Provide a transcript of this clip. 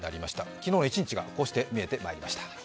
昨日一日がこうして見えてまいりました。